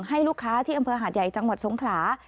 ให้ลูกค้าที่อำเภอหาดใหญ่จังหวัดสงขลา